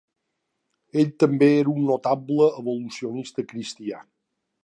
Ell també era un notable evolucionista cristià.